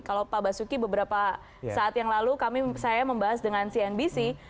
kalau pak basuki beberapa saat yang lalu kami saya membahas dengan cnbc